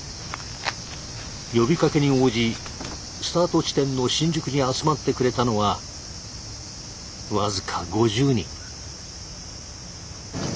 呼びかけに応じスタート地点の新宿に集まってくれたのは僅か５０人。